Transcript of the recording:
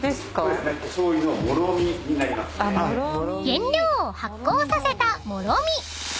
［原料を発酵させた諸味］